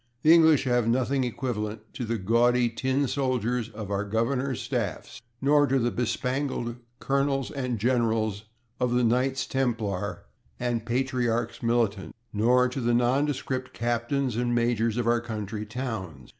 The English have nothing equivalent to the gaudy tin soldiers of our governors' staffs, nor to the bespangled colonels and generals of the Knights Templar and Patriarchs Militant, nor to the nondescript captains and majors of our country towns.